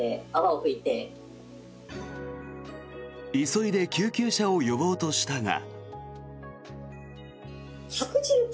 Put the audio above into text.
急いで救急車を呼ぼうとしたが。